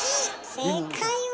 正解は。